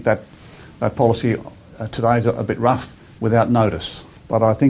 tapi saya pikir polisi itu hari ini agak keras tanpa perhatian